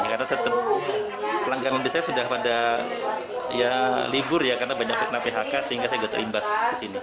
karena pelanggan yang besar sudah pada libur ya karena banyak yang terima phk sehingga saya sudah terimbas ke sini